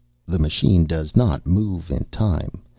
The machine does not move in time.